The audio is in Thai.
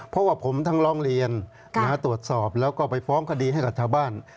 เพราะว่าผมทั้งร้องเรียนตรวจสอบแล้วก็ไปฟ้องคดีให้กับชาวบ้าน